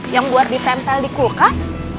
yang buat ditempel di kulkas